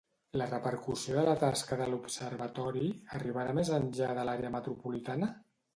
La repercussió de la tasca de l'observatori arribarà més enllà de l'àrea metropolitana?